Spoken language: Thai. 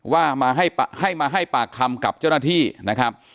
ว่ามาให้มาให้ปากคำกับเจ้าหน้าที่นะครับ